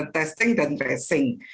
testing dan tracing